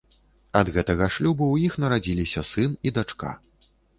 Ад гэтага шлюбу ў іх нарадзіліся сын і дачка.